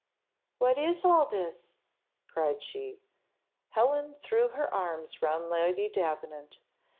"What is all this?" cried she. Helen threw her arms round Lady Davenant.